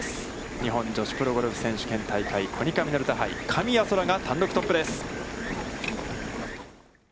日本女子プロゴルフ選手権コニカミノルタ杯、神谷そらが単独トップです。